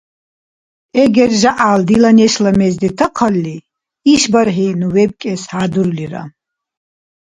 Эгер жягӀял дила нешла мез деткахъалли, ишбархӀи ну вебкӀес хӀядурлира